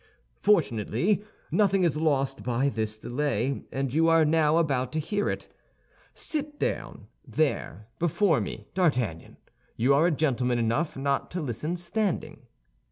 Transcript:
Fortunately, nothing is lost by this delay, and you are now about to hear it. Sit down there, before me, D'Artagnan; you are gentleman enough not to listen standing."